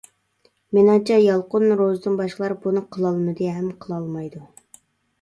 مېنىڭچە يالقۇن روزىدىن باشقىلار بۇنى قىلالمىدى ھەم قىلالمايدۇ.